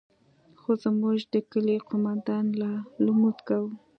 خو زموږ د كلي قومندان لا لمونځ كاوه.